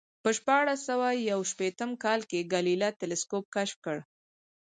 په شپاړس سوه یو شپېتم کال کې ګالیله تلسکوپ کشف کړ